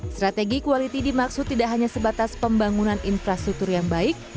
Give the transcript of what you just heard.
strategi kualiti dimaksud tidak hanya sebatas pembangunan infrastruktur yang baik